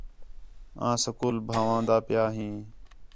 آں سکول بھن٘ؤان٘دا پیاں ہیں